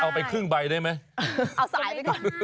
ทำเป็นครึ่งใบได้ไหม